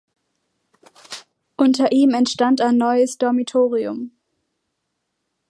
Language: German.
Unter ihm entstand ein neues Dormitorium.